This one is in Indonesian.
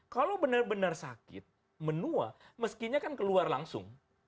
kalau benar benar sakit menua meskinya kan keluar langsung